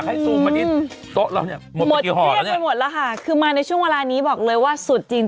หมดเรียบหมดแล้วค่ะคือมาในช่วงเวลานี้บอกเลยว่าสุดจริง